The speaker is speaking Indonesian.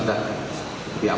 tadi malam semalam